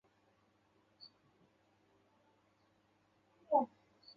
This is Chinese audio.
灰蝶属是灰蝶科灰蝶亚科灰蝶族中的一个属。